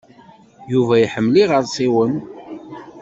Yuba iḥemmel iɣersiwen.